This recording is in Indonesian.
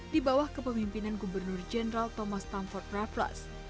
di bawah kepemimpinan gubernur jenderal thomas tumford raffles